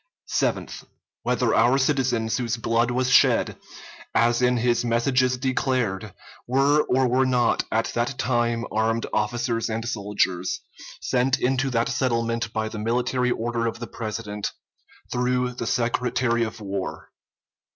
Seventh. Whether our citizens whose blood was shed, as in his messages declared, were or were not at that time armed officers and soldiers, sent into that settlement by the military order of the President, through the Secretary of War.